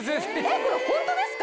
えっこれホントですか？